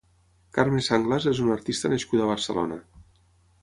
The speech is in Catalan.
Carme Sanglas és una artista nascuda a Barcelona.